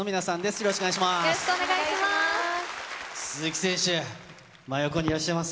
よろしくお願いします。